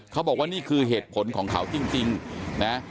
เขาบอกว่านี่คือเหตุผลของเขาจริงนะ